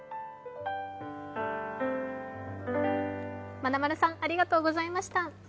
まなまるさんありがとうございました。